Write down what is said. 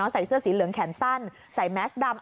ใส่เสื้อสีเหลืองแขนสั้นใส่แมสดำ